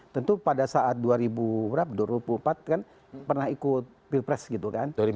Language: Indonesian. tentu pada saat dua ribu empat kan pernah ikut pilpres gitu kan